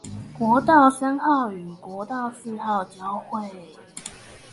國道三號與國道四號交會